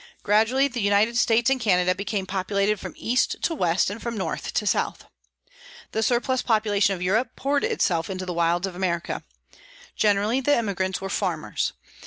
Gradually the United States and Canada became populated from east to west and from north to south. The surplus population of Europe poured itself into the wilds of America. Generally the emigrants were farmers.